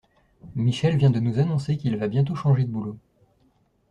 Michel vient de nous annoncer qu'il va bientôt changer de boulot.